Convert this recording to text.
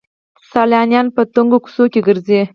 سیلانیان په تنګو کوڅو کې ګرځي.